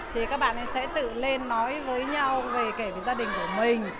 thì các bạn ý sẽ tự lên nói với nhau về kể về gia đình của mình